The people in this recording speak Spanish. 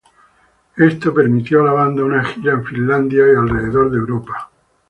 Esto permitió a la banda una gira en Finlandia y alrededor de Europa.